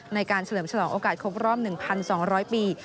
ในการเฉลิมฉลองโอกาสครบรอบ๑๒๐๐ปี